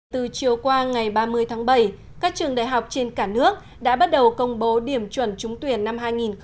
từ chiều qua ngày ba mươi tháng bảy các trường đại học trên cả nước đã bắt đầu công bố điểm chuẩn trúng tuyển năm hai nghìn hai mươi